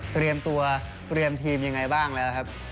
เตรียมตัวเตรียมทีมยังไงบ้างแล้วครับ